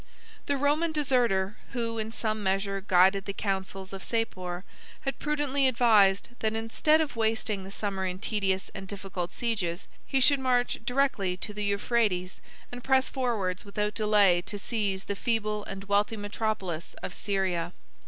The Roman deserter, who in some measure guided the councils of Sapor, had prudently advised, that, instead of wasting the summer in tedious and difficult sieges, he should march directly to the Euphrates, and press forwards without delay to seize the feeble and wealthy metropolis of Syria.